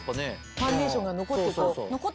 ファンデーションが残って。